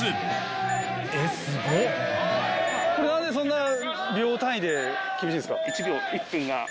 これ何でそんな秒単位で厳しいんですか？